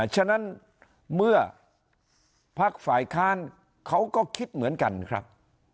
ฉะนั้นเมื่อพักฝ่ายค้านเขาก็คิดเหมือนกันครับ